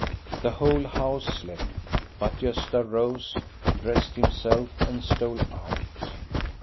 The whole house slept. But Gosta rose, dressed himself, and stole out.